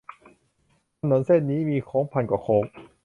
ถนนเส้นนี้มีโค้งพันกว่าโค้ง